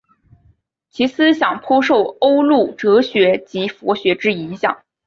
其思想颇受欧陆哲学及佛学之影响。